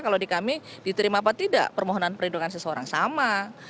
kalau di kami diterima apa tidak permohonan perlindungan seseorang sama